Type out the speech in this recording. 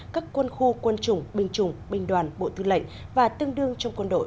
các quân khu quân chủng binh chủng binh đoàn bộ tư lệnh và tương đương trong quân đội